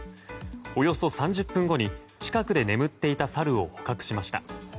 およそ３０分後に近くで眠っていたサルを捕獲しました。